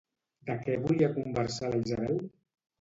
De què volia conversar la Isabel?